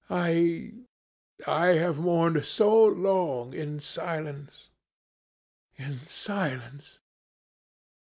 I I have mourned so long in silence in silence.